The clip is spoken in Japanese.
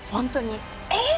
えっ！